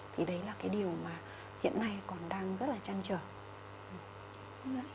thì đấy là cái điều mà hiện nay còn đang rất là chắc chắn là chúng tôi không thể làm được